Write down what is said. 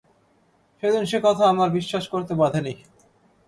সেদিন সে কথা আমার বিশ্বাস করতে বাধে নি।